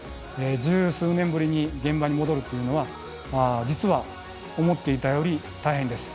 十数年ぶりに現場に戻るっていうのは実は思っていたより大変です。